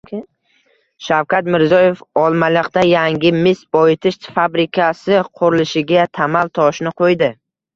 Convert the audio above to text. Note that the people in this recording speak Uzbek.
Shavkat Mirziyoyev Olmaliqda yangi mis boyitish fabrikasi qurilishiga tamal toshini qo‘ydi